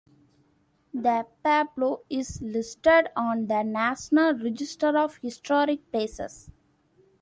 The pueblo is listed on the National Register of Historic Places.